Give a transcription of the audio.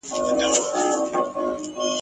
که نن نه وي جانانه سبا کلي ته درځمه !.